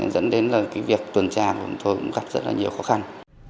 dẫn đến là cái việc tuần tra của chúng tôi cũng gặp rất là nhiều khó khăn